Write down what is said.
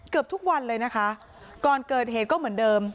เกือบทุกวันเลยนะคะก่อนเกิดเหตุก็เหมือนเดิม